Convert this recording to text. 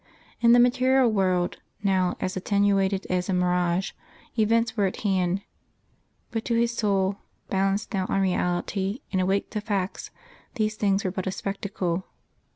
In the material world, now as attenuated as a mirage, events were at hand; but to his soul, balanced now on reality and awake to facts, these things were but a spectacle....